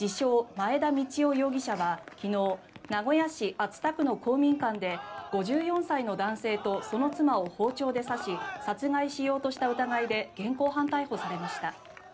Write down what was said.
・前田道夫容疑者は昨日名古屋市熱田区の公民館で５４歳の男性とその妻を包丁で刺し殺害しようとした疑いで現行犯逮捕されました。